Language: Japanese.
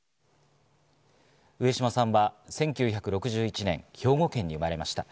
上島さんは１９６１年、兵庫県に生まれました。